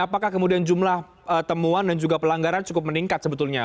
apakah kemudian jumlah temuan dan juga pelanggaran cukup meningkat sebetulnya